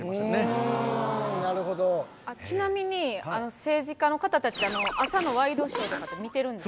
うんなるほどちなみに政治家の方達って朝のワイドショーとかって見てるんですか？